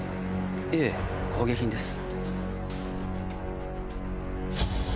ええ工芸品です。